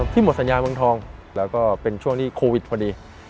หมดสัญญาเมืองทองแล้วก็เป็นช่วงที่โควิดพอดี